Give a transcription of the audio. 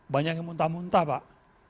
banyak yang muntah muntah pak